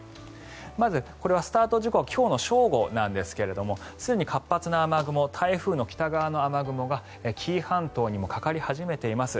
まずこれは、スタート時刻は今日の正午なんですがすでに活発な雨雲台風の北側の雨雲が紀伊半島にもかかり始めています。